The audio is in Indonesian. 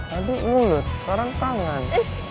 tadi mulut sekarang tangan